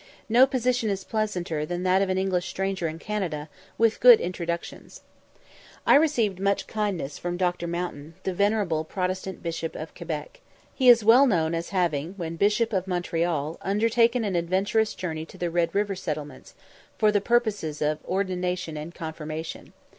No position is pleasanter than that of an English stranger in Canada, with good introductions. I received much kindness also from Dr. Mountain, the venerable Protestant Bishop of Quebec. He is well known as having, when Bishop of Montreal, undertaken an adventurous journey to the Red River settlements, for the purposes of ordination and confirmation.